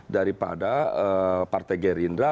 daripada partai gerindra